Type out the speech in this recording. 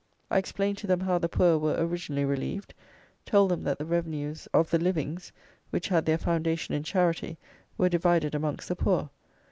I explained to them how the poor were originally relieved; told them that the revenues of the livings, which had their foundation in charity, were divided amongst the poor.